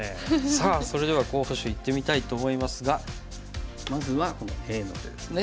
さあそれでは候補手いってみたいと思いますがまずはこのＡの手ですね。